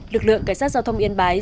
lực lượng cảnh sát giao thông yên bái